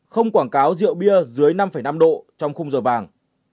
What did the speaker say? không quảng cáo rượu bia dưới năm năm độ trong khung giờ vàng